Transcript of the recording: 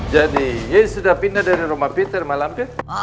jadi ye sudah pindah dari rumah peter malam itu